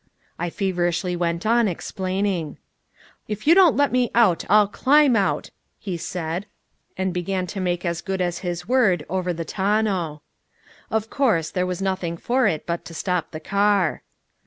I feverishly went on explaining. "If you don't let me out I'll climb out," he said, and began to make as good as his word over the tonneau. Of course, there was nothing for it but to stop the car.